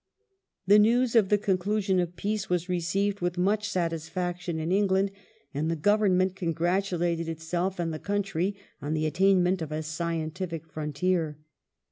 The news of the conclusion of peace was received with much satisfaction in England, and the Government congratulated itself and the country on the attainment of a scientific fi ontier.